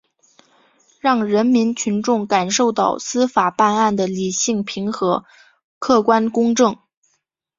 让人民群众感受到司法办案的理性平和、客观公正